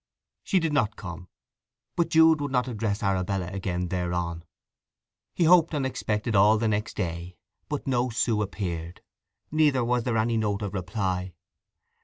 She did not come; but Jude would not address Arabella again thereon. He hoped and expected all the next day; but no Sue appeared; neither was there any note of reply.